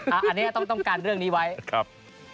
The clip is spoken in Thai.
อันนี้ต้องการเรื่องนี้ไว้ครับ